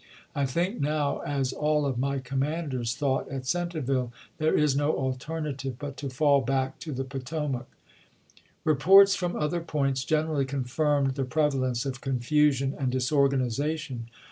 .. I think now, as all of my commanders thought at Centreville, there is no juiy^'s&ei. alternative but to fall back to the Potomac." Ee ii., p sio.' ports from other points generally confirmed the prevalence of confusion and disorganization.